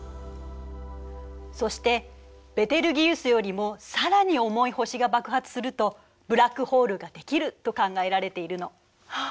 そしてベテルギウスよりも更に重い星が爆発するとブラックホールができると考えられているの。